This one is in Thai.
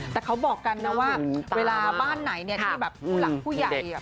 แต่เขาบอกกันนะว่าเวลาบ้านไหนเนี่ยที่แบบผู้หลักผู้ใหญ่